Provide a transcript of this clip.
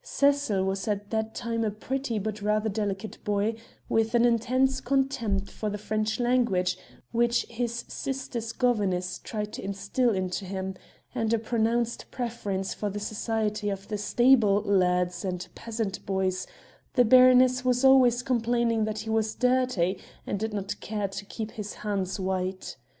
Cecil was at that time a pretty but rather delicate boy, with an intense contempt for the French language which his sister's governess tried to instil into him, and a pronounced preference for the society of the stable lads and peasant boys; the baroness was always complaining that he was dirty and did not care to keep his hands white.